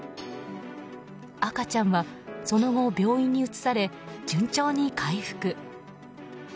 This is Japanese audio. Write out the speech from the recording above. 赤ちゃんはその後、病院に移され順調に回復。